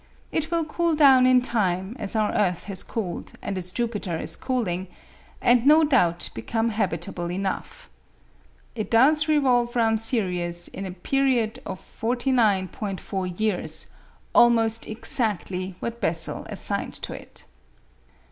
It will cool down in time, as our earth has cooled and as Jupiter is cooling, and no doubt become habitable enough. It does revolve round Sirius in a period of 49·4 years almost exactly what Bessel assigned to it.